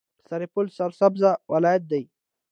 سرپل سرسبزه ولایت دی.